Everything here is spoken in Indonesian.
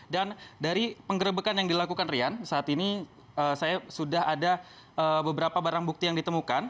dari penggerebekan yang dilakukan rian saat ini saya sudah ada beberapa barang bukti yang ditemukan